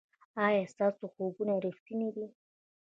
ایا ستاسو خوبونه ریښتیني دي؟